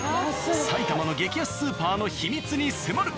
埼玉の激安スーパーの秘密に迫る。